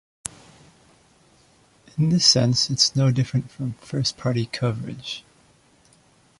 In this sense, it is no different from first-party coverage.